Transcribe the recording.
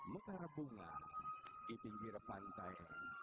mekar bunga di pinggir pantai